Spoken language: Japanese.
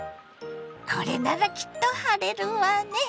これならきっと晴れるわね。